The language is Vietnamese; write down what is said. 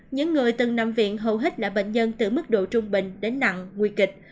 những người từng nằm viện hầu hết là bệnh nhân từ mức độ trung bình đến nặng nguy kịch